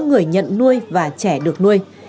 người nhận nuôi và trẻ được nuôi